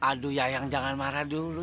aduh yayang jangan marah dulu